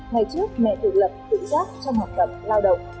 ngày trước mẹ tự lập tự giác trong học tập lao động